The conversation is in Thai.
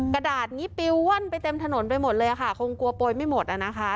กระดาษนี้ปิวว่อนไปเต็มถนนไปหมดเลยค่ะคงกลัวโปรยไม่หมดอ่ะนะคะ